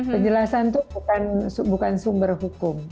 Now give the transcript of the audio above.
penjelasan itu bukan sumber hukum